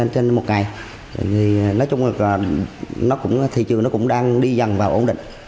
trên một ngày thì thị trường cũng đang đi dần và ổn định